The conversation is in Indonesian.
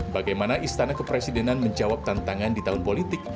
bagaimana istana kepresidenan menjawab tantangan di tahun politik